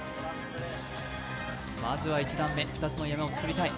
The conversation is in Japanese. まずは１段目、２つの山を作りたい。